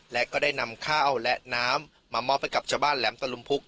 และก็ได้นำข้าวและน้ำมามอบให้กับชาวบ้านแหลมตะลุมพุก